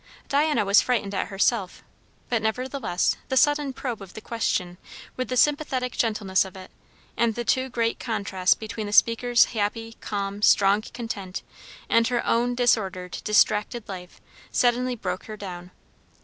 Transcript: Diana was frightened at herself; but, nevertheless, the sudden probe of the question, with the sympathetic gentleness of it, and the too great contrast between the speaker's happy, calm, strong content and her own disordered, distracted life, suddenly broke her down.